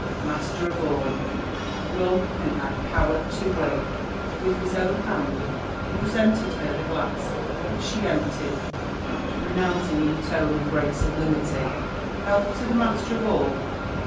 "Master of all I — ^rum can add power to will—" With his own hand he presented her the glass, which she emptied, after pronouncing in a tone of great sublimity, "Health to the master of all!